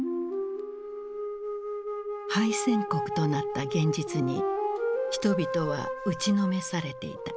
敗戦国となった現実に人々は打ちのめされていた。